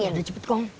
udah cepet kong